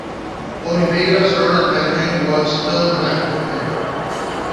Oliveira started managing while still an active player.